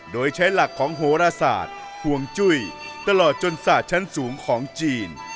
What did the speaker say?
โดยใช้หลักของโหรศาสตร์ห่วงจุ้ยตลอดจนศาสตร์ชั้นสูงของจีน